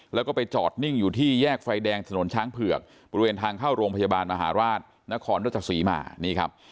แล้วก็ไปจอดนิ่งอยู่ที่แยกไฟแดงถนนช้างเผือกบริเวณทางเข้าโรงพยาบาลมหาราชนครรัชศรีมานี่ครับ